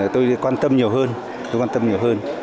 tôi quan tâm nhiều hơn